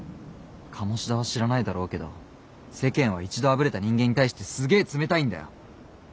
鴨志田は知らないだろうけど世間は一度あぶれた人間に対してすげえ冷たいんだよ。